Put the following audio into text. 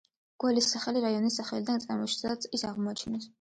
გველის სახელი რაიონის სახელიდან წარმოიშვა, სადაც ის აღმოაჩინეს.